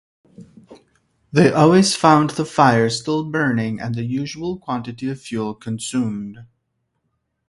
They always found the fire still burning and the usual quantity of fuel consumed.